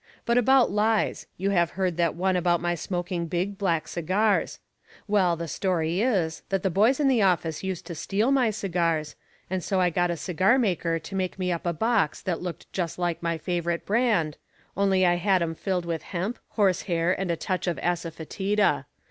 But about lies, you have heard that one about my smoking big, black cigars! Well, the story is that the boys in the office used to steal my cigars, and so I got a cigarmaker to make me up a box that looked just like my favorite brand, only I had 'em filled with hemp, horsehair and a touch of asafetida.